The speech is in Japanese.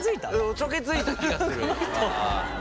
おちょけづいた気がする。